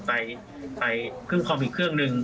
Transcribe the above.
ใส่เครื่องคอมอีกเครื่องหนึ่ง